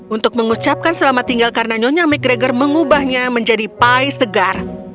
untuk mengucapkan selamat tinggal karena nyonya mcgregor mengubahnya menjadi pie segar